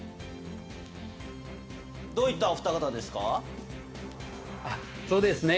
どういったお二方ですか？